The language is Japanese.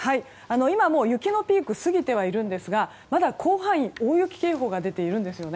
今、もう雪のピーク過ぎてはいるんですがまだ広範囲に大雪警報が出ているんですよね。